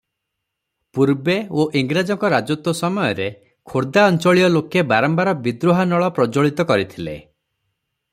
ପୂର୍ବେ ଓ ଇଂରାଜଙ୍କ ରାଜତ୍ୱ ସମୟରେ ଖୋର୍ଦା ଅଞ୍ଚଳୀୟ ଲୋକେ ବାରମ୍ୱାର ବିଦ୍ରୋହାନଳ ପ୍ରଜ୍ଜ୍ୱଳିତ କରିଥିଲେ ।